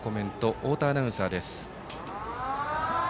太田アナウンサーです。